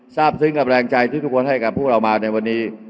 ทราบซึ้งกับแรงใจที่ทุกคนให้กับพวกเรามาในวันนี้